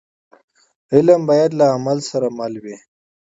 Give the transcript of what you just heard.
علم باید له عمل سره مل وي.